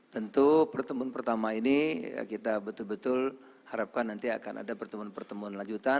tentu pertemuan pertama ini kita betul betul harapkan nanti akan ada pertemuan pertemuan lanjutan